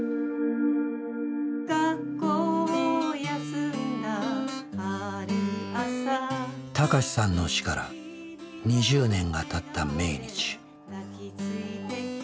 学校を休んだある朝孝さんの死から２０年がたった命日。